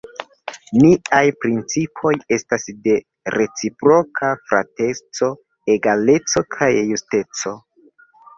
Niaj principoj estas de reciproka frateco, egaleco kaj justeco.